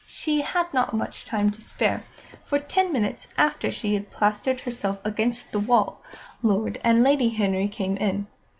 She had not had much time to spare, for ten minutes after she had plastered herself against the wall, Lord and Lady Henry came in.